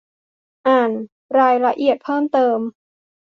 อ่านรายละเอียดเพิ่มเติม